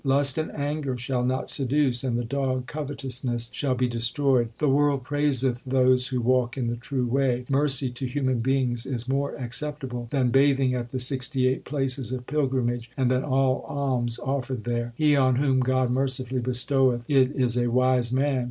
Lust and anger shall not seduce, and the dog covetous ness shall be destroyed. The world praiseth those who walk in the true way. Mercy to human beings is more acceptable than bathing at the sixty eight places of pilgrimage, and than all alms offered there : He on whom God mercifully bestoweth it is a wise man.